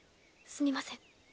すみません。